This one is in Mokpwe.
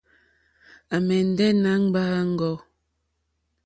À mɛ̀ndɛ̀ nà gbàáŋgò.